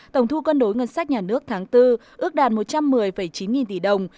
tổng thu cân đối ngân sách nhà nước tháng bốn ước đạt một trăm một mươi chín nghìn tỷ đồng